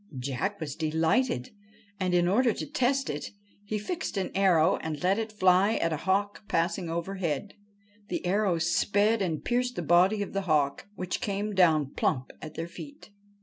Jack was delighted, and, in order to test it, he fixed an arrow and let it fly at a hawk passing overhead. The arrow sped and pierced the body of the hawk, which came down plump at their feet.